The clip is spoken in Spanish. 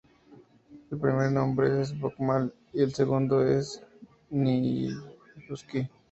El primer nombre es en Bokmål y el segundo en Nynorsk.